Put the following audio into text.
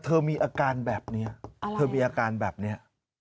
แต่เธอมีอาการแบบนี้